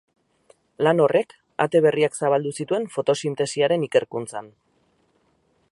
Lan horrek ate berriak zabaldu zituen fotosintesiaren ikerkuntzan.